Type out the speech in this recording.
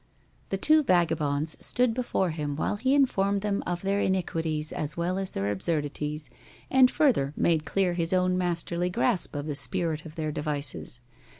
The two vagabonds stood before him while he informed them of their iniquities as well as their absurdities, and further made clear his own masterly grasp of the spirit of their devices.